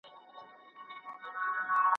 ایا د سترګو د ستړیا لپاره شنه رنګ ته کتل ګټور دي؟